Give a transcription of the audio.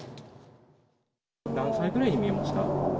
何歳くらいに見えました？